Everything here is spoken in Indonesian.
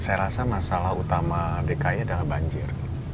saya rasa masalah utama dki adalah banjir